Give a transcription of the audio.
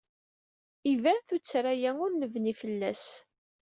Iban tuttra-a ur nebni fell-as.